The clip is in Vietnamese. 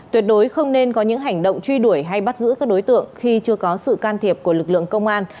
tuyệt đối không nên có những hành động truy đuổi hay bắt giữ các đối tượng khi chưa có sự can thiệp của lực lượng công an